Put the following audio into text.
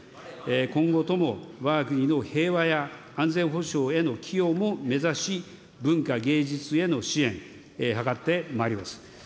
今後とも、わが国の平和や安全保障へのも目指し、文化芸術への支援、図ってまいります。